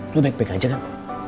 lo baik baik aja kan